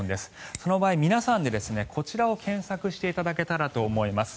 その場合皆さんでこちらを検索していただけたらと思います。